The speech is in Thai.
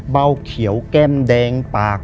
เบาเขียวแก้มแดงปาก